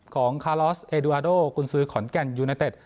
ของคาลอสเอดูอาโดกุญซือขอนแก่นยูเนเต็ด